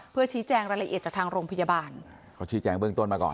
เพื่อชี้แจงรายละเอียดจากทางโรงพยาบาลเขาชี้แจงเบื้องต้นมาก่อน